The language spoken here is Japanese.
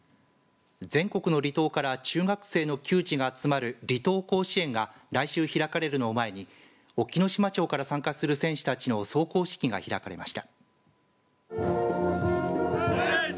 全国の離島から中学生の球児が集まる離島甲子園が来週開かれるのを前に隠岐の島町から参加する選手たちの壮行式が開かれました。